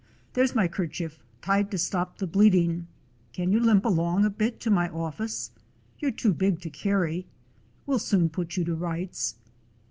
There 's my kerchief tied to stop the bleeding. Can you limp along a bit to my office? You're too big to carry. We 'll soon put you to rights."